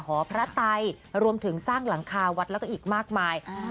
หอพระไตรวมถึงสร้างหลังคาวัดแล้วก็อีกมากมาย